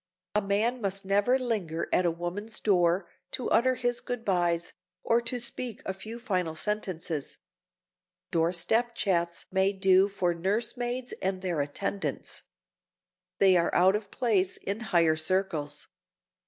A man must never linger at a woman's door to utter his good bys, or to speak a few final sentences. Door step chats may do for nurse maids and their attendants. They are out of place in higher circles.